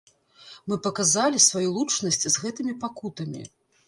Мы паказалі сваю лучнасць з гэтымі пакутамі.